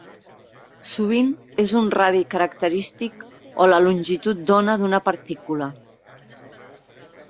Sovint és un radi característic o la longitud d'ona d'una partícula.